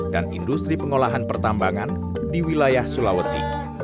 dan industri pengolahan pertambangan di wilayah sulawesi